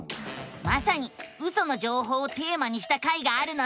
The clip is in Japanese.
まさにウソの情報をテーマにした回があるのさ！